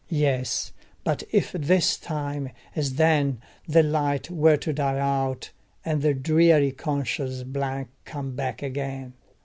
Yes, but if this time, as then, the light were to die out, and the dreary conscious blank come back again!